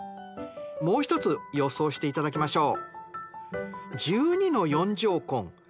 もう一つ予想していただきましょう。